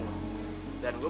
gue udah bingung